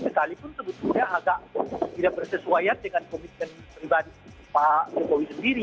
sekalipun sebetulnya agak tidak bersesuaian dengan komitmen pribadi pak jokowi sendiri